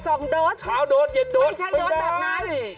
สองโดสไม่ใช่โดสแบบนั้นช้าโดสเย็นโดสไม่ได้